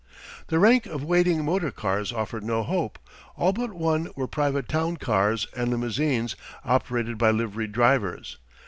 The rank of waiting motor cars offered no hope: all but one were private town cars and limousines, operated by liveried drivers.